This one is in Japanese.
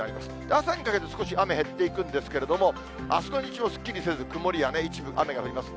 朝にかけて、少し雨減っていくんですけれども、あすの日中もすっきりせず、曇りや一部雨が降ります。